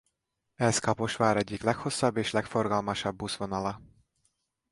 Ez Kaposvár egyik leghosszabb és legforgalmasabb buszvonala.